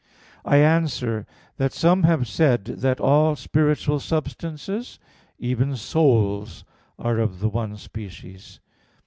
I answer that, Some have said that all spiritual substances, even souls, are of the one species.